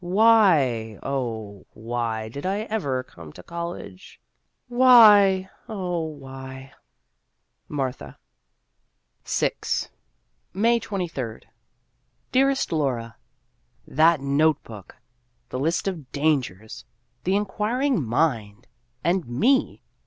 Why oh, why did I ever come to college ? Why oh, why ? MARTHA. Danger! 261 VI May 23d. DEAREST LAURA : That note book ! The list of " Dan gers "! The Inquiring Mind ! And me